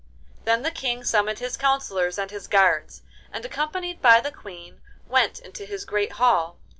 Then the King summoned his counsellors and his guards, and, accompanied by the Queen, went into his great hall.